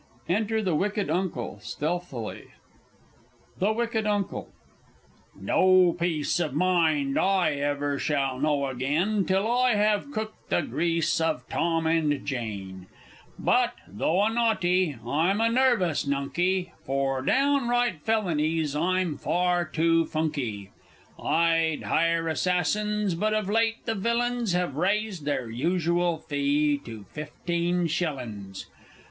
_ Enter the Wicked Uncle, stealthily. The W. U. No peace of mind I e'er shall know again Till I have cooked the geese of Tom and Jane! But though a naughty I'm a nervous nunky, For downright felonies I'm far too funky! I'd hire assassins but of late the villains Have raised their usual fee to fifteen shillin's!